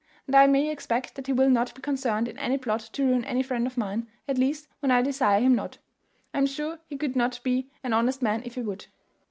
And I may expect that he will not be concerned in any plot to ruin any friend of mine, at least when I desire him not. I am sure he could not be an honest man if he would."